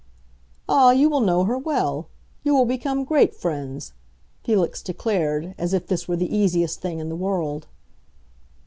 "Ah, you will know her well; you will become great friends," Felix declared, as if this were the easiest thing in the world.